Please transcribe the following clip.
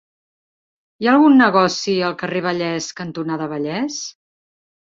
Hi ha algun negoci al carrer Vallès cantonada Vallès?